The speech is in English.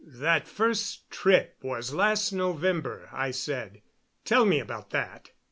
"That first trip was last November," I said. "Tell me about that.